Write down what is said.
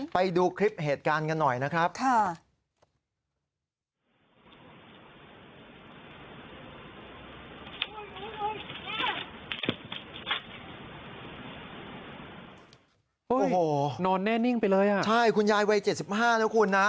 ไปดูคลิปเหตุการณ์กันหน่อยนะครับค่ะโอ้โหนอนแน่นิ่งไปเลยคุณยายเวย๗๕นะคุณนะ